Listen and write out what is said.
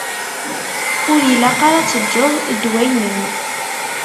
Ur ilaq ara ad teǧǧeḍ ddwa-inem.